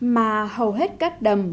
mà hầu hết các đầm